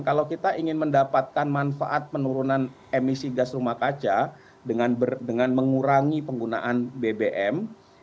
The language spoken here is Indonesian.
kalau kita ingin mendapatkan manfaat penurunan emisi gas rumah kaca dengan mengurangi penggunaan bbm